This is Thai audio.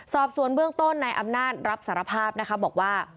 สอบสวนเบื้องต้นนายอำนาจรับสารภาพนะคะบอกว่า